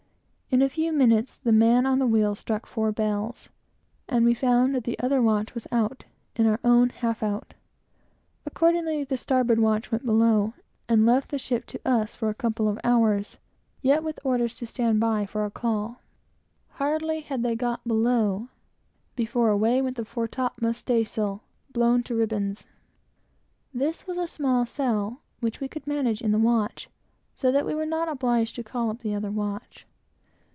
In a few minutes the man at the wheel struck four bells, and we found that the other watch was out, and our own half out. Accordingly, the starboard watch went below, and left the ship to us for a couple of hours, yet with orders to stand by for a call. Hardly had they got below, before away went the fore topmast staysail, blown to ribbons. This was a small sail, which we could manage in the watch, so that we were not obliged to call up the other watch.